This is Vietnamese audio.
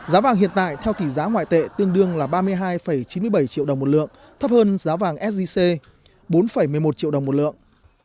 giá vàng hiện tại theo tỷ giá ngoại tệ tương đương là ba mươi hai chín mươi bảy triệu đồng một lượng thấp hơn giá vàng sgc bốn một mươi một triệu đồng một lượng